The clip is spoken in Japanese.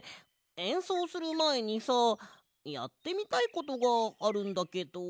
えんそうするまえにさやってみたいことがあるんだけど。